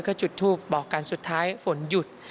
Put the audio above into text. ก็จุดทูปบอกกันสุดท้ายฝนหยุด